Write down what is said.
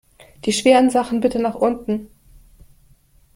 Die schweren Sachen bitte nach unten!